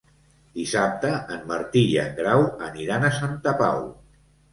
Dissabte en Martí i en Grau aniran a Santa Pau.